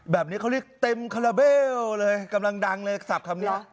แบบนี้เขาเรียกเต็มคาราเบลเลยกำลังดังเลยสับคำนี้